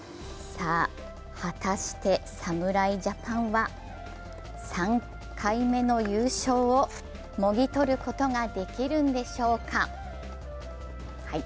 果たして、侍ジャパンは３回目の優勝をもぎ取ることができるんでしょうか。